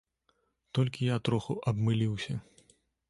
Толькі я троху абмыліўся.